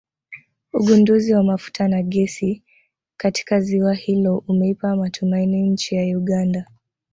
Ugunduzi wa mafuta na gesi katika ziwa hilo umeipa matumaini nchi ya Uganda